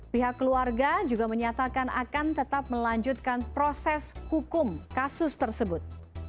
pihak keluarga juga menyatakan akan tetap melanjutkan proses hukum kasus tersebut